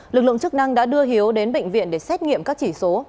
lực lượng chức năng đã đưa hiếu đến bệnh viện để xét nghiệm các chỉ số